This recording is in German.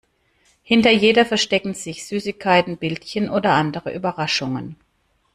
Hinter jeder verstecken sich Süßigkeiten, Bildchen oder andere Überraschungen.